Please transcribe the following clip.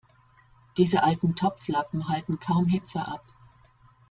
Diese alten Topflappen halten kaum Hitze ab.